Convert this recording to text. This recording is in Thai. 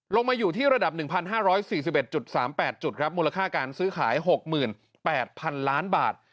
ลงมาอยู่ที่ระดับ๑๕๔๑๓๘จุดครับมูลค่าการซื้อขาย๖๘๐๐๐ล้านบาท